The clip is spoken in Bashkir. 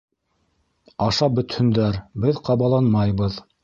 — Ашап бөтһөндәр, беҙ ҡабаланмайбыҙ.